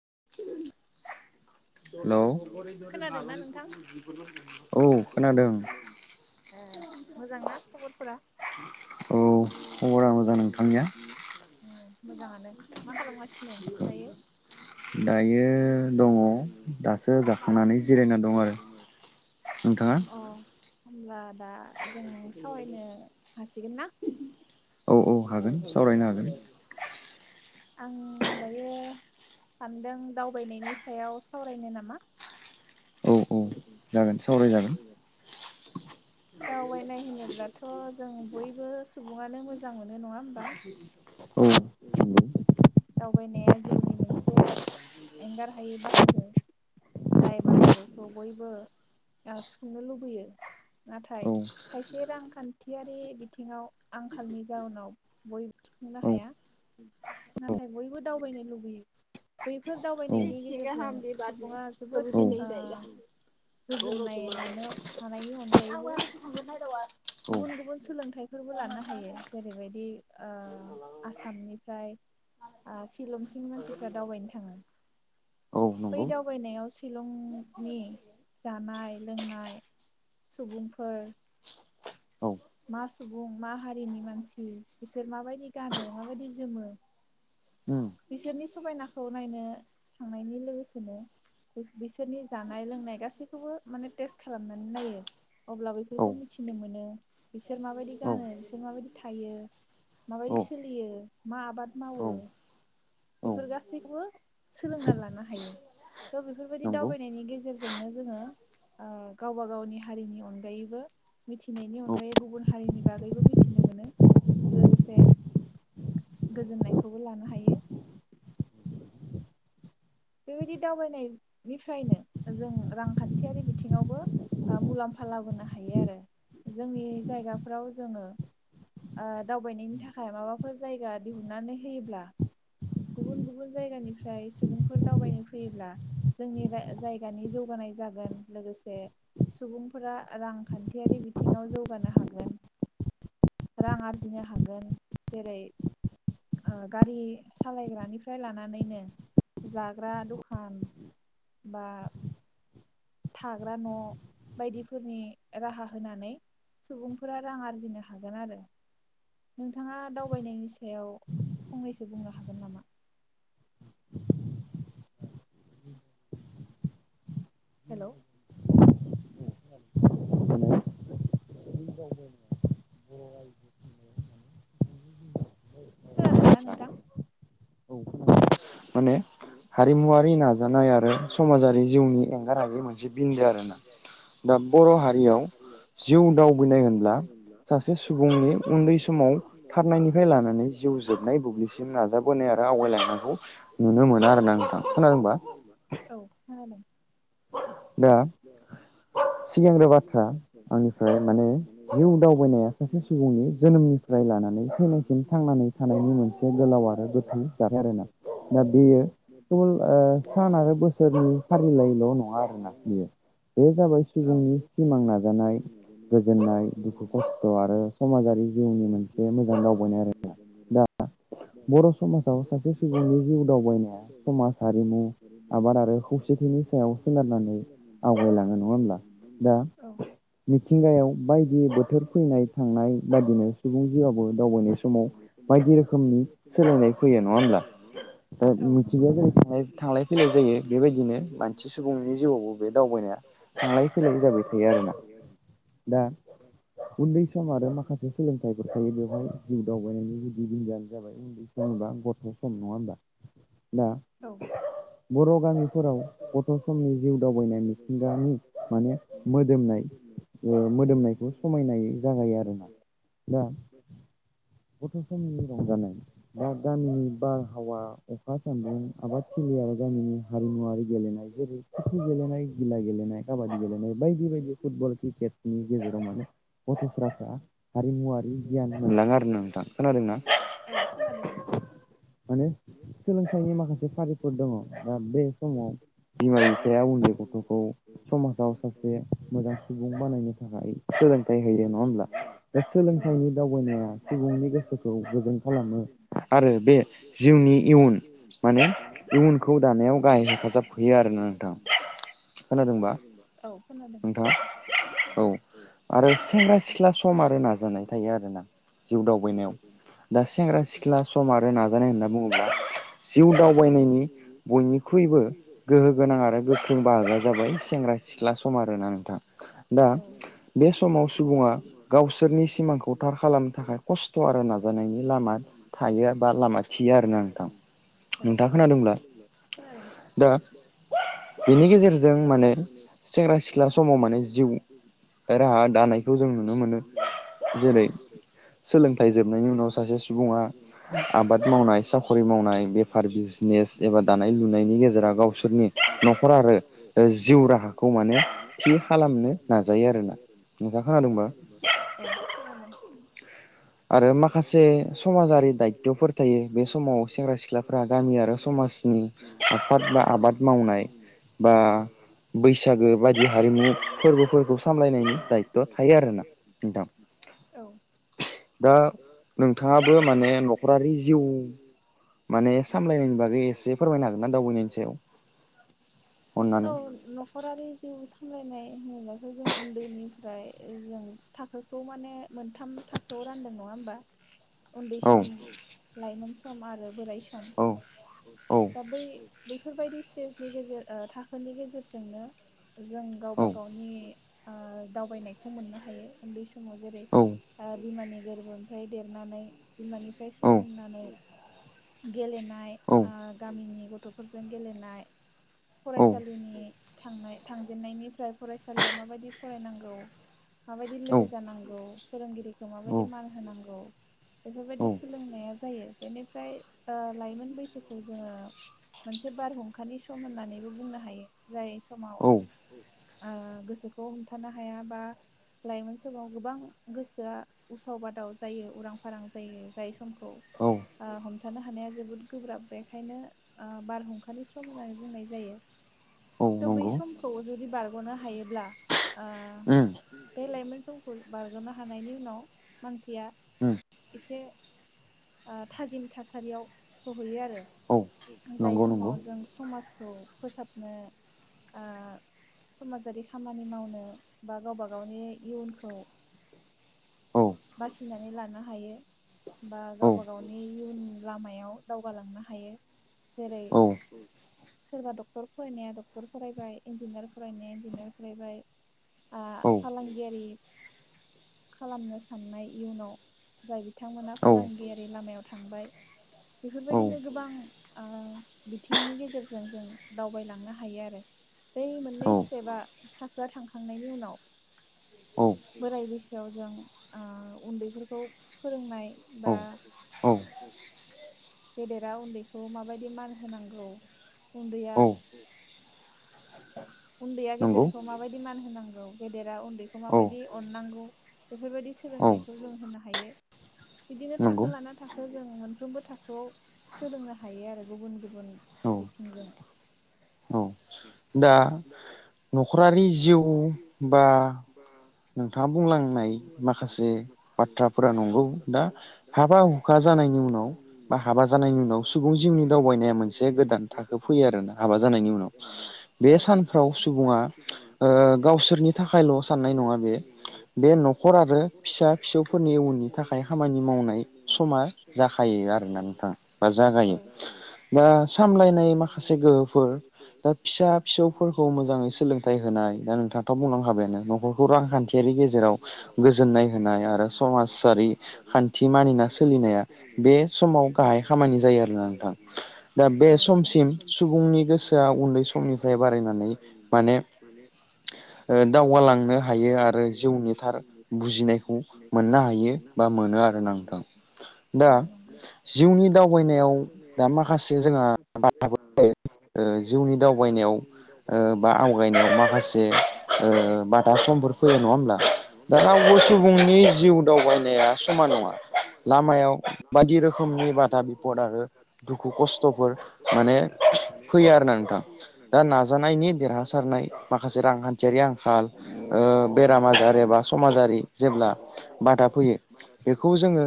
[unintelligible] खोनादोंना नोंथां? ए मोजांना खबरफोरा? उम मोजाङानो मा खालामगासिनो दायो दायो दङ? [inaudible] होमब्ला दा जों सावरायनो हासिगोन ना? औ औ हागोन सावरायनो हागोन। आं दायो सानदों दावबायनायनि सायाव सावरायनो नामा जागोन सावरायजागोन दावबायनाय होनोब्लाथ जों बयबो सुबुङानो मोजां मोनो नङा होमबा दावबायनाया जिउनि मोनसे एंगार हायि बाहागो जाय बाहागोखौ बयबो सुंनो लुबैयो नाथाय खायसे रांखान्थियारि बिथिङाव आंखालनि जाउनाव बयबो सुफुंनो हाया नाथाय बयबो दावबायनो लुबैयो बैफोर दावबायनायनि गेजेरजों सुबुङा जोबोद गोजोननाय लानो हानायनि अन दायोबो गुबुन गुबुन सो सोलोंथाइफोरबो लानो हायो जेरैबायदि आसामनिफ्राय शिलं सिम मानसिफ्रा दावबायनो थाङो बै दावबायनायाव शिलंनि जानाय लोंनाय सुबुंफोर मा सुबुं मा हारिनि मानसि बिसोर माबायदि गानो माबायदि जोमो? बिसोरनि समायनाखौ नायनो थांनायनि लोगोसेनो बिसोरनि जानाय लोंनाय गासैखौबो माने टेस्ट खालामनानै नायो अब्ला बेफोरखौ मिथिनो मोनो बिसोर माबायदि गानो बिसोर माबायदि थायो माबायदि सोलियो मा आबाद मावो बेफोर गासैखौबो सोलोंना लानो हायो थ बेफोरबायदि दावबायनायनि गेजेरजोंनो जोङो ओ गावबा गावनि हारिनि अनगायैबो मिथिनायनि अनगायै गुबुन हारिनि बागैबो मिथिनो मोनो लोगोसे गोजोननायखौबो लानो हायो। बेबायदि दावबायनायनिफ्रायनो जों रांखान्थियारि बिथिङावबो मुलाम्फा लाबोनो हायो आरो जोंनि जायगाफोराव जोङो दावबायनायनि थाखाय माबाफोर जायगा दिहुननानै होयोब्ला गुबुन गुबुन जायगानिफ्राय सुबुं फोर दावबायनो फैयोब्ला जोंनि जायगानि जौगानाय जागोन लोगोसे सुबुंफोरा रांखान्थियारि बिथिङाव जौगानो हागोन रां आरजिनो हागोन जेरै गारि सालायग्रानिफ्राय लानानैनो जाग्रा दखान बा थाग्रा न बायदिफोरनि राहा होनानै सुबुंफोरा रां आरजिनो हागोन आरो। नोंथाङा दावबायनायनि सायाव फंनैसो बुंनो हागोन नामा? हेलौ [inaudible] खोनादोंना नोंथां माने हारिमुवरारि नाजानाय आरो समाजारि जिउनि एंगारि मोनसे बिन्दो आरोना दा बर हारियाव जिउ दावबायनाय होनब्ला सासे सुबुंनि उन्दै समाव थारनायनिफ्राय लानानै जिउ जोबनाय बुब्लिसिम नाजाबोनाय आरो आवगायलायनांगौ। औ दा सिगांग्रो बाथ्रा आंनिफ्राय माने जिउ दावबायनाया सासे सुबुंनि जोनोमनिफ्राय लानानै थैनायसिम थांनानै थानायनि मोनसे गोलाव आरो गोथौ जाथाय आरोना दा बेयोल सान आरो बोसोरनि फारिलाइ नङा आरोना बेयो बे जाबाय सुबुंनि सिमां नाजानाय गोजोननाय दुखु खस्थ' आरो समाजारि जिउनि मोनसे मोजां दावबायनाय आरोना दा बर' समाजाव सासे सुबुंनि जिउ दावबायनाया समाज हारिमु आबाद आरो खौसेथिनि सायाव सोनारनानै आवगायलाङो नङा होमब्ला दा मिथिंगायाव बायदि बोथोर फैनाय थांनाय बायदिनो सुबुं जिउआबो दावबायनाय समाव बायदि रोखोमनि सोलायनाय फैयो नङा होमब्ला दा मिथिंगाया जेरै थांलाय फैलाय जायो बेबायदिनो मानसि सुबुंनि जिउआवबो बे दावबायनाया थांलायै फैलायै जाबाय। थायो आरोना दा उन्दै सम आरो माखासे सोलोंथाइफोर थायो बेवहाय जिउ दावबायनायनि गुदि बिदायानो जाबाय उन्दै समबा गथ' सम नङा होमबा? मा औ बर' गामिफोराव गथ' समनि जिउ दावबायनाय मिथिंगानि माने मोदोमनाय ओ मोदोमनायखौ समायनाय जागायो आरोना दा गथ' समनि रंजानाय दा गामिनि बारहावा अखा सानदुं आबा थिलि आव गामिनि हारिमुवारि गेलेनाय [unintelligible] गेलेनाय गिला गेलेनाय काबादि गेलेनाय बायदि बायदि फुटबल क्रिकेट नि गेजेराव माने गथसाफ्रा हारिमुवारि गियान मोनलाङो आरो ना। नोंथां खोनादोंना माने सोलोंथाइनि माखासे फारिफोर दङ दा बे समाव बिमा बिफाया उन्दै गथखौ समाजाव सासे मोजां सुबुं बानायनो थाखाय सोलों सोलोंथाय होयो नङा होनब्ला सोलोंथाइनि दावबाय सुबुंनि गोसोखौ खौ गोजोन खालामो आरो बे जिउनि इयुन माने इयुनखौ दानायाव गाहाय हेफाजाब हो हैयो आरो ना नोंथां खोनादोंबा नोंथाङा औ आरो सेंग्रा सिख्ला सम आरो नाजानाय थायो आरोना जिउ दावबायनायाव दा सेंग्रा सिख्ला सम आरो नाजानाय होनना बुङोब्ला जिउ दावबायनायनि बयनिख्रुइबो गोहो गोनां आरो गोख्रों बाहागोआ जाबाय सेंग्रा सिख्ला सम आरो ना नोंथां। दा बे समाव सुबुङा गावसोरनि सिमांखौ थार खालामनो थाखाय कस्थ' आरो नाजानायनि लामा थायो बा लामा थियो आरोना नोंथां। औ दा बिनि गेजेरजों माने सेंग्रा-सि सिख्ला समाव माने जिउ ओ राहा दानायखौ जों नुनो मोनो जेरै सोलोंथाइ जोबनायनि उनाव सासे सुबुङा आबाद मावनाय, साखरि मावनाय, बेफार, बिजनेस एबा दानाय लुनायनि गेजेर जेराव गावसोरनि न'खर आरो जिउ राहाखौ माने थि खालामनो नाजायो आरो ना, नोंथा खोनादोंबा? आरो माखासे समाजारि दायथफोर थायो बे समाव सेंग्रा सिख्लाफ्रा गामि आरो समाजनि आफाद बा आबाद मावनाय बा बैसागो बायदि हारिमु फोरबोफोरखौ सामलायनायनि दाय्थ थायो आरोना नोंथां। दा नों नोंथाङाबो माने नखरारि जिउ माने सामलायनायनि बागै एसे फोरमायनो हागोन ना दावबायनायनि सायाव? औ नखरारि जिउ सामलायनाय होनोबाथ' जों उन्दैनिफ्राय जों थाखोखौ माने मोनथाम थाखोआव रानदों नङा होमबा? उन्दै सम लाइमोन सम आरो बोराय सम औ दा बै बैफोरबायदि स्टेजनि गेजेर ओ फोरनि गेजेरजोंनो जों गावबा गावनि ओ दावबायनायखौ मोननो हायो उन्दै समाव जेरै ओ बिमानि गोरबोनिफ्राय देरनानै बिमानिफ्राय सोलोंनानै गेलेनाय ओ गामिनि गथफोरजों गेलेनाय फराय सालिनि थांनाय थांजेननायनिफ्राय फरायसालियाव माबायदि फरायनांगौ माबायदि लोगो जानांगौ फोरोंगिरिखौ माबायदि मान होनांगौ बेफोरबायदि सोलोंनाया जायो बेनिफ्राय ओ लाइमोन बैसोखौ जोङो मोनसे बारहुंखानि सम होननानैबो बुंनो जाय समाव गोसोखौ हमथानो हाया बा लाइमोन समाव गोबां गोसोआ उसाव बादाव जायो उरां फारां जायो जाय समखौ हमथानो हानाया जोबोद गोब्राब बेखायनो ओ बारहुंखानि सम होननानै बुंनाय जायो। थ बै समखौ जुदि बारग'नो हायोब्ला ओ बे लाइमोन समखौ बारग'नो हानायनि उनाव मानसिया एसे ओ थाजिम थासारियाव सौहैयो आरो। आं जाय समाव जों समाज औ फोसाब, मो ओ समाजारि खामानि मावनो बा गावबा गावनि इयुनखौ बासिनानै लानो हायो बा गावबा गावनि इयुन लामायाव दावगालांनो हायो जेरै सोरबा दख डाक्टर फरायनाया डाक्टर फरायबाय इन्जिनियार फरायनाया इन्जिनियार फरायबाय फालांगियारि खालामनो साननाय इयुनाव जाय बिथांमोना फालांगियारि लामायाव थांबाय बेफोरबायदिनो गोबां ओ बिथिंनि गेजेरजों जों दावबायलांनो हायो आरो बै मोननै स्टेपा थाखोआ थांखांनायनि उनाव बोराय बैसोआव जों ओ उन्दैफोरखौ फोरोंनाय बा गेदेरा उन्दैखौ माबायदि मान होनांगौ उन्दैया [inaudible] उन्दैया गेदेरखौ माबायदि मान होनांगौ गेदेरा उन्दैखौ माबायदि अननांगौ बेफोरबायदि सोलोंथाइखौ जों होनो हायो बिदिनो थाखो लाना थाखो जों मोनफ्रोमबो थाखोआव सोलोंनो हायो आरो गुबुन गुबुन बिथिंजों दा न'खरारि जिउ बा नोंथाङा बुंलांनाय माखासे बाथ्राफोरा नंगौ दा हाबा हुखा जानायनि उनाव बा हाबा जानायनि उनाव सुबुं जिउनि दावबायनाया मोनसे गोदान थाखो फैयो आरोना हाबा जानायनि उनाव। बे सान फ्राव सुबुङा ओ गावसोरनि थाखायल साननाय नङा बे बे नखर आरो फिसा फिसौफोरनि उननि थाखाय खामानि मावनाय समा जाखायो आरोना नोंथां बा जागायो दा सामलायनाय माखासे गोहोफोर दा फिसा फिसौफोर मोजाङै सोलोंथाइ होनाय दा नोंथाङाथ' बुंलांखाबायानो नखरखौ रांखान्थियारि गेजेराव गोजोननाय होनाय आरो समाजारि खान्थि मानिना सोलिनाया बे समाव गाहाय खामानि जायो आरोना नोंथां दा बे समसिम सुबुंनि गोसोआ उन्दै समनि बारे मा माने ओ दावगालांनो हायो आरो जिउनि थार बुजिनायखौ मोननो हायो बा मोनो आरो ना नोंथां दा जिउनि दावबायनायाव दा माखासे जोङा बाथ्राफोर थायो ओ जिउनि दाव थगायनायाव ओ बा आवगायनायाव माखासे ओ बादा समफोर फैयो नङा होमब्ला? दा रावबो सुबुंनि जिउ दावबायनाया समान नङा लामायाव बायदि रोखोमनि बादा बिफद आरो दुखु खस्थफोर माने फैयो आरो ना नोंथां। दा नाजानाय देरहासारनाय माखासे रांखान्थियारि आंखाल ओ बेराम आजार एबा समाजारि जेब्ला बादा फैयो बेखौ जोङो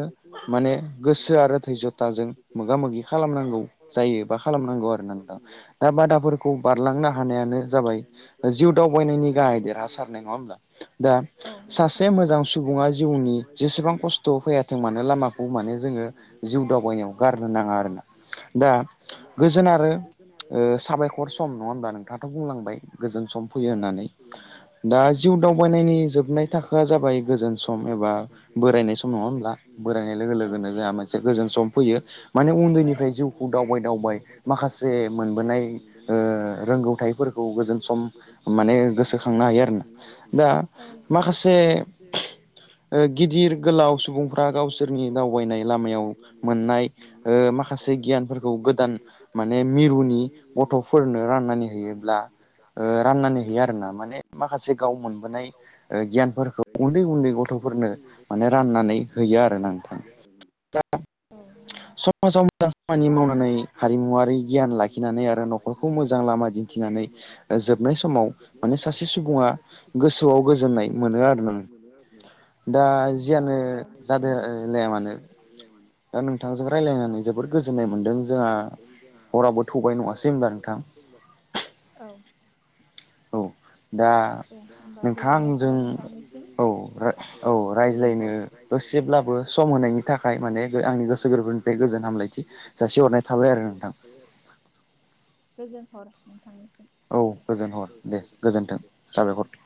माने गोसो आरो थैज'थाजों मोगा मोगि खालामनांगौ जायो बा खालामनांगौ आरो ना नोंथां दा बादाफोर खौ बारलांना हानाया नो जाबाय जिउ दावबायनायनि गाहाय देरहासारनाय नङा हैमब्ला? दा सासे मोजां सुबुङा जिउनि जेसेबां खस्थ फैयाथों मानो लामाखौ माने जोङो जिउ दावबायनायाव गारनो नाङा आरोना ना दा गोजोन आरो ओ साबायखर बुंलांबाय गोजोन सम फैयो होननानै दा जिउ दावबायनायनि जोबनाय थाखोआ जाबाय गोजोन सम एबा बोरायनाय सम नङा होमब्ला बोरायनाय लोगो लोगोनो जोंहा मोनसे गोजोन सम फैयो माने उन्दैनिफ्राय जिउखौ दावबाय दावबाय माखासे मोनबोनाय थाइफोरखौ गोजोन सम माने गोसोखांनो हायो आरोना दा माखासे ओ गिदिर गोलाव सुबुंफ्रा गावसोरनि दावबायनाय लामायाव मोननाय ओ माखासे गियानफोरखौ गोदान माने मिरुनि गथ'फोरनो रान नानै होयोब्ला ओ राननानै हैयो आरोना माने माखासे गाव मोनबोनाय ओ गियानफोरखौ उन्दै उन्दै गथ'फोरनो माने राननानै हैयो आरोना नोंथां दा समाजाव मोजां खामानि मावनानै हारिमुवारि गियान लाखिनानै आरो नख खौ मोजां लाम थिनानै ओ जोबनाय समाव माने सासे सुबुङा गोसोआव गोजोननाय मोनो आरोना दा जियानो जादो ओ लाया मानो। दा नोंथांजों रायलायनानै जोबोर गोजोननाय मोन्दों जोंहा हराबो थौबाय नङासै होमबा नोंथां? औ दा नोंथां आंजों औ औ रायज्लायनो दसेब्लाबो सम होनायनि थाखाय माने आंनि गोसो गोरबोनिफ्राय गोजोन हामलायथि जासिहरनाय थाबाय आरो नोंथां। औ गोजोन हर दे गोजोन्थों साबायखर।